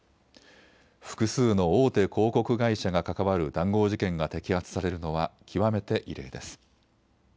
複数の大手広告会社が関わる談合事件が摘発されるのは極めて異例です。